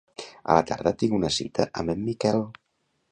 A la tarda tinc una cita amb en Miquel.